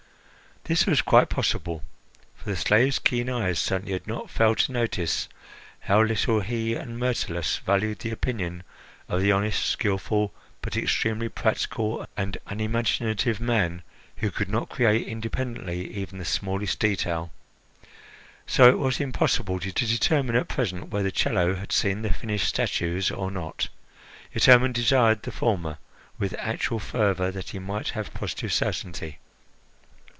This was quite possible, for the slave's keen eyes certainly had not failed to notice how little he and Myrtilus valued the opinion of the honest, skilful, but extremely practical and unimaginative man, who could not create independently even the smallest detail. So it was impossible to determine at present whether Chello had seen the finished statues or not, yet Hermon desired the former with actual fervour, that he might have positive certainty.